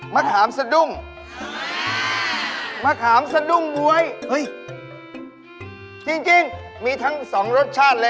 แม็กทูแม็กหวานเมื่อบานสองตัว